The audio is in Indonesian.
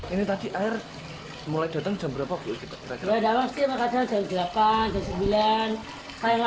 ini tadi air mulai datang jam berapa kita kira kira dalam setiap kaca jatuh delapan sembilan saya